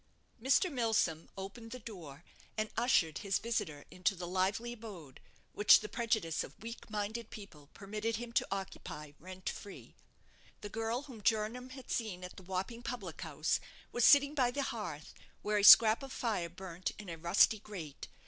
Mr. Milsom opened the door, and ushered his visitor into the lively abode, which the prejudice of weak minded people permitted him to occupy rent free. The girl whom Jernam had seen at the Wapping public house was sitting by the hearth, where a scrap of fire burnt in a rusty grate.